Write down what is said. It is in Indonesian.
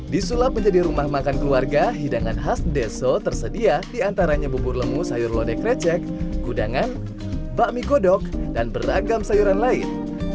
disulap menjadi rumah makan keluarga hidangan khas deso tersedia diantaranya bubur lemu sayur lode krecek kudangan bakmi godok dan beragam sayuran lain